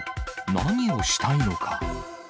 何をしたいのか。